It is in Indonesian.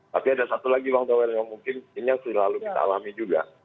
tapi ada satu lagi bang tauel yang mungkin ini yang selalu kita alami juga